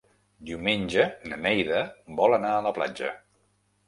Diumenge na Neida vol anar a la platja.